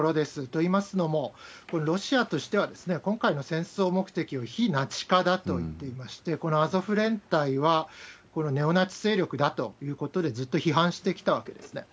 といいますのも、ロシアとしては、今回の戦争目的を非ナチ化だと言っていまして、このアゾフ連隊は、ネオナチ勢力だということで、ずっと批判してきたわけですね。